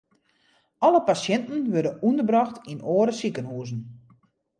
Alle pasjinten wurde ûnderbrocht yn oare sikehuzen.